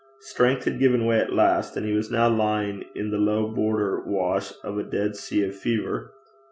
Strength had given way at last, and he was now lying in the low border wash of a dead sea of fever.